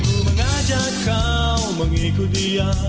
ku mengajak kau mengikuti dia